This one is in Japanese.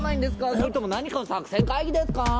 それとも何かの作戦会議ですかぁ？